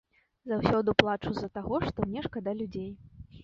Заўсёды плачу з-за таго, што мне шкада людзей.